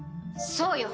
そうよ！